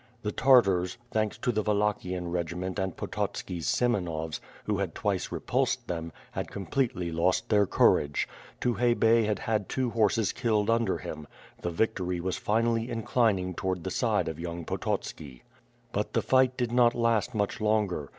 The Tartars, thanks to the Wallachian regiment and Potot ski's Semenovs, who had twice repulsed them, had completely lost their courage. Tukhay Bey had had tw^o horses killed under him; the victory was finally inclining toward the side of young Pototski. But the fight did not last much longer.